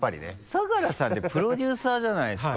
相樂さんってプロデューサーじゃないですか。